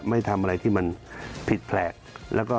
ไม่ทำอะไรที่มันผิดแผลกแล้วก็